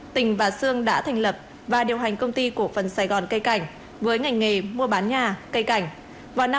tình và sương đã thành lập và điều hành công ty của phần sài gòn cây cảnh với ngành nghề mua bán nhà cây cảnh